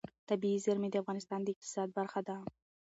طبیعي زیرمې د افغانستان د اقتصاد برخه ده.